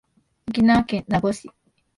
沖縄県名護市